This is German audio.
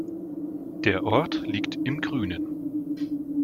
Der Ort liegt im Grünen.